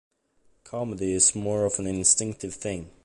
Comedy is more of an instinctive thing.